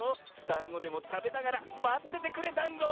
だんごでもたべながらまっててくれだんご！